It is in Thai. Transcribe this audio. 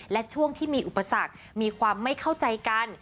และช่วงที่มีอุปสรรคมีความไม่เข้าใจกัน